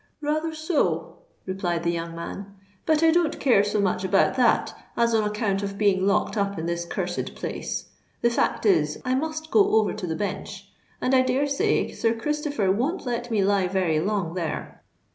"Rather so," replied the young man. "But I don't care so much about that, as on account of being locked up in this cursed place. The fact is I must go over to the Bench; and I dare say Sir Christopher won't let me lie very long there."